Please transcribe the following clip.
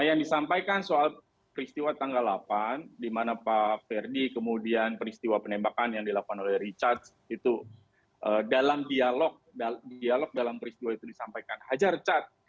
yang disampaikan soal peristiwa tanggal delapan di mana pak ferdi kemudian peristiwa penembakan yang dilakukan oleh richard itu dalam dialog dalam peristiwa itu disampaikan hajar cat